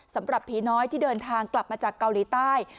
สำหรับผีน้อยที่เดินทางกลับมาจากเกาหลีใต้